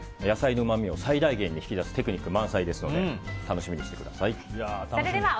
野菜のうまみを最大限に引き出すテクニック満載ですので楽しみにしてください。